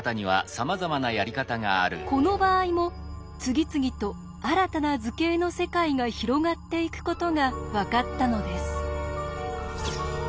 この場合も次々と新たな図形の世界が広がっていくことが分かったのです。